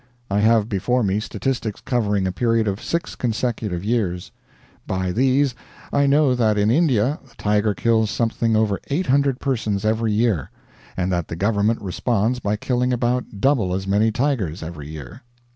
I have before me statistics covering a period of six consecutive years. By these, I know that in India the tiger kills something over 800 persons every year, and that the government responds by killing about double as many tigers every year.